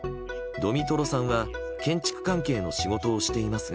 ドミトロさんは建築関係の仕事をしていますが。